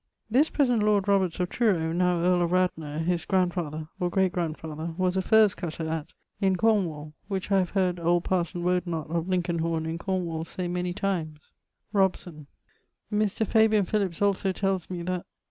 This present lord Roberts of Truro (now earl of Radnor) his grandfather (or great grandfather) was a furze cutter at ... in Cornwall which I have heard old parson Wodenot of Linkenhorne in Cornwall say many times. =... Robson.= Mr. Philips also tells me that